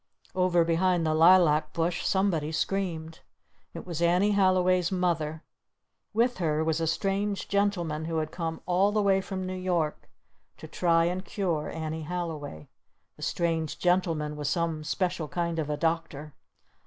Over behind the lilac bush somebody screamed. It was Annie Halliway's Mother! With her was a strange gentleman who had come all the way from New York to try and cure Annie Halliway. The strange gentleman was some special kind of a doctor.